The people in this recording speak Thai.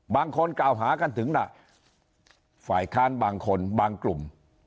บางคนกล่าวหากันถึงน่ะฝ่ายค้านบางคนบางกลุ่ม